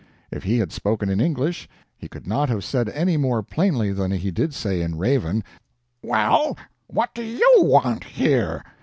If he had spoken in English he could not have said any more plainly than he did say in raven, "Well, what do YOU want here?"